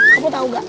kamu tau gak